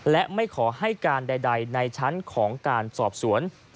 และไม่ขอให้การใดในชั้นของการสอบสวน